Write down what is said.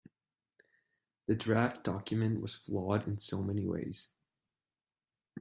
The draft document was flawed in so many ways.